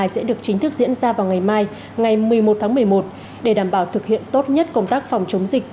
sẽ được chính thức diễn ra vào ngày mai ngày một mươi một tháng một mươi một để đảm bảo thực hiện tốt nhất công tác phòng chống dịch